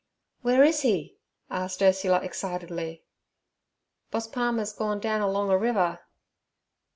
'Where is he?' asked Ursula excitedly. 'Boss Palmer's gone down alonga river.'